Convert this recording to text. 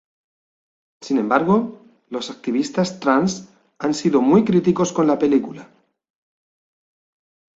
Sin embargo, los activistas trans han sido muy críticos con la película.